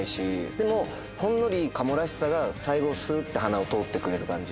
でも、ほんのりカモらしさが最後、すーって鼻を通ってくれる感じ。